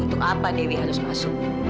untuk apa dewi harus masuk